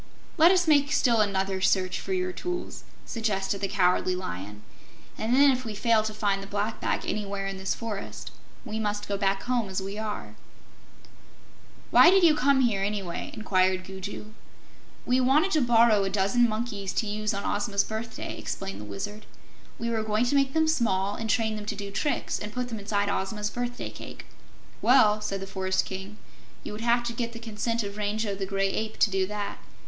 "Let us make still another search for your tools," suggested the Cowardly Lion, "and then, if we fail to find the Black Bag anywhere in this forest, we must go back home as we are." "Why did you come here, anyway?" inquired Gugu. "We wanted to borrow a dozen monkeys, to use on Ozma's birthday," explained the Wizard. "We were going to make them small, and train them to do tricks, and put them inside Ozma's birthday cake." "Well," said the Forest King, "you would have to get the consent of Rango the Gray Ape, to do that.